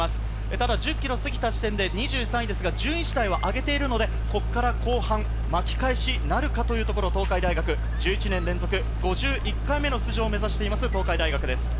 ただ１０ｋｍを過ぎた時点で２３位ですが、順位自体は上げているので、ここから後半巻き返しなるかというところ、東海大学、１１年連続５１回目の出場を目指しています。